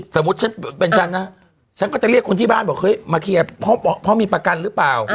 สมมุติฉันเป็นฉันนะฉันก็จะเรียกคนที่บ้านบอกเฮ้ยมาเคลียร์เพราะมีประกันหรือเปล่า